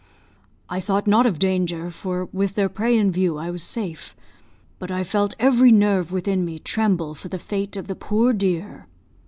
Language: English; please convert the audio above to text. I thought not of danger, for, with their prey in view, I was safe; but I felt every nerve within me tremble for the fate of the poor deer.